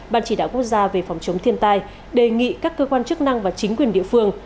ban chỉ đạo quốc gia về phòng chống thiên tai đề nghị các cơ quan chức năng và chính quyền địa phương